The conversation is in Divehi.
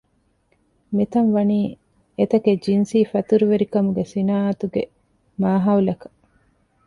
މިތަން ވަނީ އެތަކެއް ޖިންސީ ފަތުރުވެރިކަމުގެ ޞިނާޢަތުގެ މާހައުލަކަށް